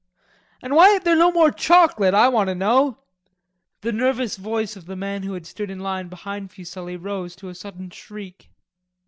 "And why ain't there no more chocolate, I want to know?" the nervous voice of the man who had stood in line behind Fuselli rose to a sudden shriek.